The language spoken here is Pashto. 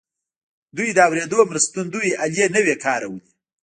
دوی د اورېدو مرستندويي الې نه وې کارولې.